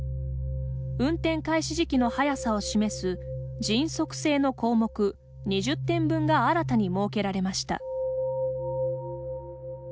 運転開始時期の早さを示す迅速性の項目２０点分が新たに設けられました。